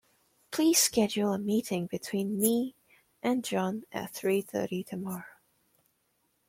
Please schedule a meeting between me and John at three thirty tomorrow.